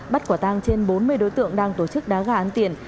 bắt quả tang trên bốn mươi đối tượng đang tổ chức đá gà ăn tiền